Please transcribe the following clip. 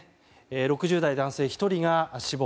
６０代男性１人が死亡。